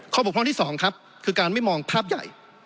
บกพร่องที่๒ครับคือการไม่มองภาพใหญ่